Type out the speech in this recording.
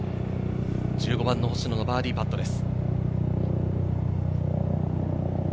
１５番の星野、バーディーパットです。